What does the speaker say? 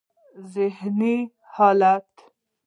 ذهني حالت: